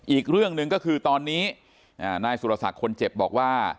อีกเรื่องหนึ่งก็คือตอนนี้นายสุรศักดิ์คนเจ็บบอกว่า